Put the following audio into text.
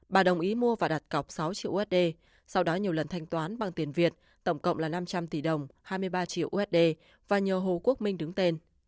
bà đồng ý mua và đặt cọc sáu triệu usd sau đó nhiều lần thanh toán bằng tiền việt tổng cộng là năm trăm linh tỷ đồng hai mươi ba triệu usd và nhờ hồ quốc minh đứng tên